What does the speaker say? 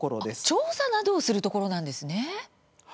調査などをするところなんですね。